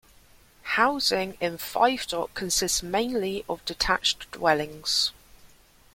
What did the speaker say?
Housing in Five Dock consists mainly of detached dwellings.